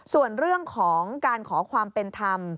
ส่วนเรื่องของการขอความเป็นธรรม